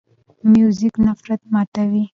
موزیک نفرت ماتوي.